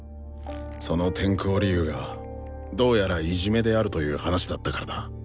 その転校理由がどうやらいじめであるという話だったからだ。